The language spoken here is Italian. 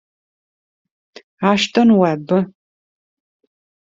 Aston Webb